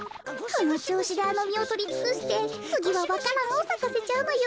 このちょうしであのみをとりつくしてつぎはわか蘭をさかせちゃうのよ。